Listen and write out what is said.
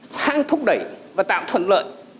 sang thúc đẩy và tạo thuận lợi